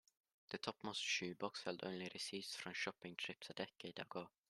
The topmost shoe box held only receipts from shopping trips a decade ago.